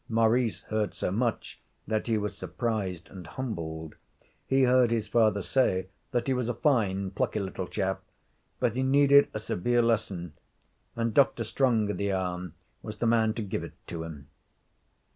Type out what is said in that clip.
Maurice heard so much that he was surprised and humbled. He heard his father say that he was a fine, plucky little chap, but he needed a severe lesson, and Dr. Strongitharm was the man to give it to him.